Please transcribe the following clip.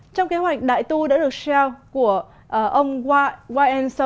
trong kế hoạch đại tu đã được shell của ông whitehouse